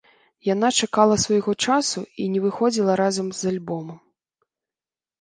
Яна чакала свайго часу і не выходзіла разам з альбомам.